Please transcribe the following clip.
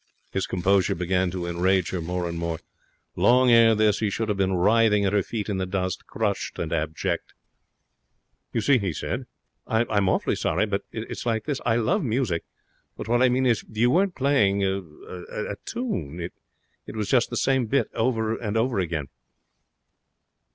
His composure began to enrage her more and more. Long ere this he should have been writhing at her feet in the dust, crushed and abject. 'You see,' he said, 'I'm awfully sorry, but it's like this. I love music, but what I mean is, you weren't playing a tune. It was just the same bit over and over again.'